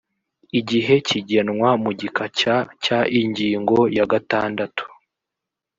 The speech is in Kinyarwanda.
igihe kigenwa mu gika cya cy ingingo ya gatandatu